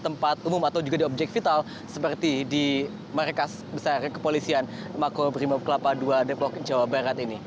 tempat umum atau juga di objek vital seperti di markas besar kepolisian mako brimob kelapa ii depok jawa barat ini